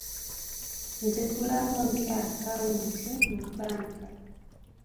Nzigulawo ntya akawunti mu bbanka?